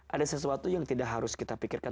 ada sesuatu yang tidak harus kita pikirkan